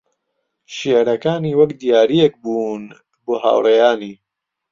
شیعرەکانی وەک دیارییەک بوون بۆ هاوڕێیانی